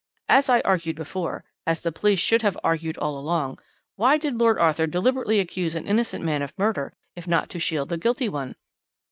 As I argued before as the police should have argued all along why did Lord Arthur deliberately accuse an innocent man of murder if not to shield the guilty one?